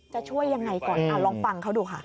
จะช่วยยังไงก่อนลองฟังเขาดูค่ะ